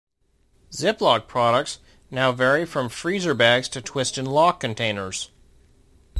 Ziploc products now vary from freezer bags to twist n' loc containers.